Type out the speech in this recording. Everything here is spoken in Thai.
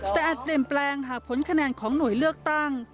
แต่อาจเปลี่ยนแปลงหากผลคะแนนของหน่วยเลือกตั้ง